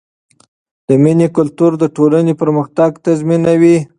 د مینې کلتور د ټولنې پرمختګ تضمینوي.